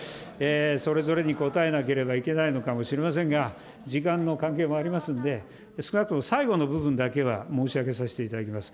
それぞれに答えなければいけないのかもしれませんが、時間の関係もありますので、少なくとも最後の部分だけは申し上げさせていただきます。